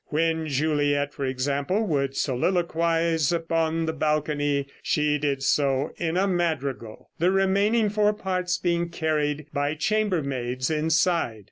When Juliet, for example, would soliloquize upon the balcony, she did so in a madrigal, the remaining four parts being carried by chambermaids inside.